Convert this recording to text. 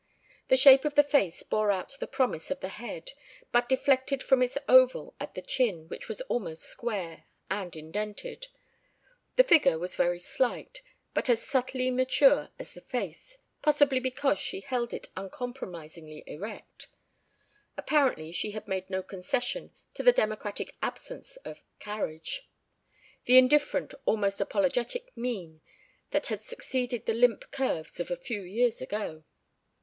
The shape of the face bore out the promise of the head, but deflected from its oval at the chin, which was almost square, and indented. The figure was very slight, but as subtly mature as the face, possibly because she held it uncompromisingly erect; apparently she had made no concession to the democratic absence of "carriage," the indifferent almost apologetic mien that had succeeded the limp curves of a few years ago.